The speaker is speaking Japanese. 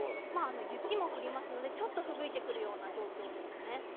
雪も降りますのでちょっとふぶいてくるような状況ですね。